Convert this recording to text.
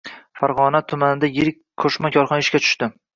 Farg‘ona tumanida yirik qo‘shma korxona ishga tushdi